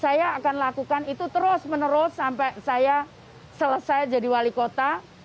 saya akan lakukan itu terus menerus sampai saya selesai jadi wali kota